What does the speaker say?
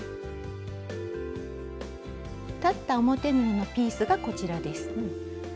裁った表布のピースがこちらです。